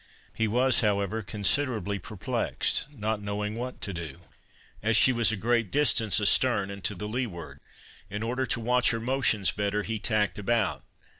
He was, however, considerably perplexed, not knowing what to do, as she was a great distance astern and to the leeward. In order to watch her motions better, he tacked about.